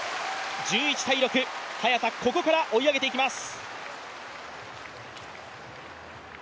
１１−６、早田、ここから追い上げていきます。